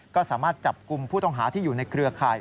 ก็สามารถจับกลุ่มผู้ต้องหาที่อยู่ในเครือข่าย